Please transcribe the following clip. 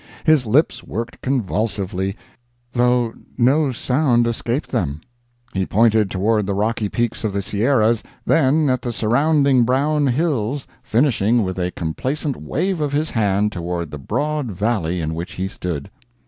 His lips worked convulsively, though no sound escaped them. He pointed toward the rocky peaks of the Sierras, then at the surrounding brown hills, finishing with a complacent wave of his hand toward the broad valley in which he stood.